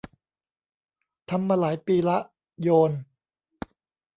ทำมาหลายปีละ โยน